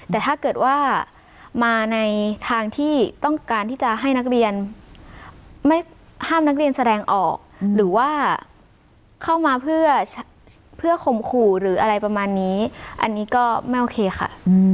แต่ถ้าเกิดว่ามาในทางที่ต้องการที่จะให้นักเรียนไม่ห้ามนักเรียนแสดงออกหรือว่าเข้ามาเพื่อข่มขู่หรืออะไรประมาณนี้อันนี้ก็ไม่โอเคค่ะ